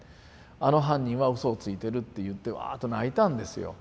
あの犯人はうそをついてるって言ってワーッと泣いたんですよ。